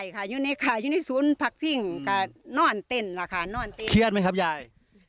พี่ศูนย์พักพิ่งกะนอนเต้นล่ะค่ะนอนเต้นเครียดไหมครับยาย